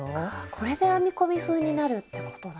これで編み込み風になるってことなんですね。